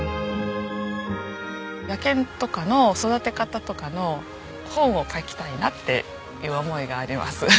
野犬とかの育て方とかの本を書きたいなっていう思いがあります。